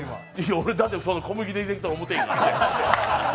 俺、だって小麦粉でできてると思ってへんから。